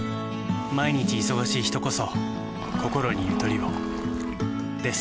毎日忙しい人こそこころにゆとりをです。